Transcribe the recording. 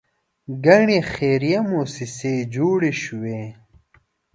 ګڼې خیریه موسسې جوړې شوې.